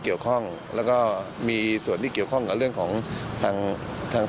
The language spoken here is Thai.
เกี่ยวข้องแล้วก็มีส่วนที่เกี่ยวข้องกับเรื่องของทางทาง